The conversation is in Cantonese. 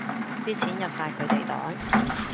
啲錢入晒佢哋袋